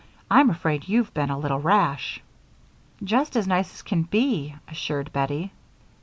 I'm afraid you've been a little rash." "Just as nice as can be," assured Bettie.